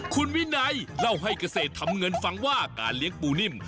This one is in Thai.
คุณวินัยเล่าให้เกษตรทำเงินฟังว่าการเลี้ยงปูนิ่ม